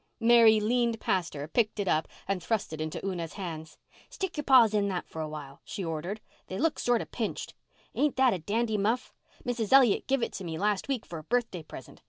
Mary leaned past her, picked it up and thrust it into Una's hands. "Stick your paws in that for a while," she ordered. "They look sorter pinched. Ain't that a dandy muff? Mrs. Elliott give it to me last week for a birthday present.